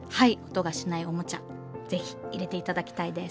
音がしないおもちゃ是非入れていただきたいです。